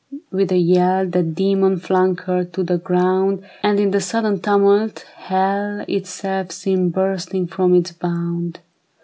With a yell That demon flung her to the ground, And in the sudden tumult, hell Itself seemed bursting from its bound.